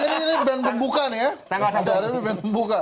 ini band membuka nih ya